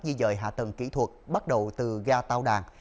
di dợi hạ tầng kỹ thuật bắt đầu từ ga tàu đàn